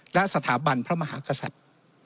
และสถาบันพระมหากษัตริย์